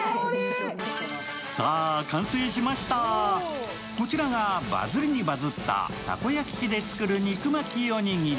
さあ完成しました、こちらがバズりにバズったたこ焼き器で作る肉巻きおにぎり。